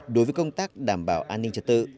đối với công tác đảm bảo an ninh trật tự